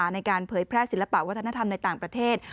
เผยแพร่ศิลปะวัฒนธรรมในต่างประเทศ